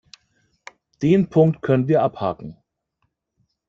Den Punkt können wir abhaken.